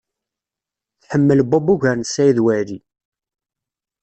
Tḥemmel Bob ugar n Saɛid Waɛli.